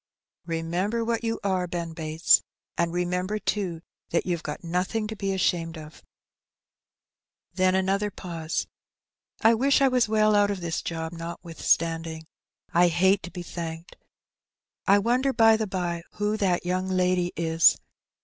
Remember what you are, Ben Bates; and remember, too, that you've got nothing to be ashamed of." Then after another pause — '^I wish I was well out of this job, notwithstanding. I hate to be thanked. I wonder, by the bye, who that young lady is?